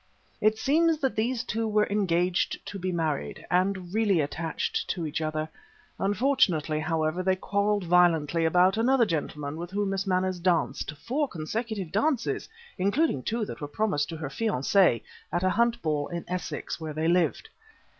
It seems that these two were engaged to be married, and really attached to each other. Unfortunately, however, they quarrelled violently about another gentleman with whom Miss Manners danced four consecutive dances, including two that were promised to her fiancé at a Hunt ball in Essex, where they all lived.